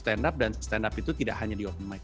stand up dan stand up itu tidak hanya di open mic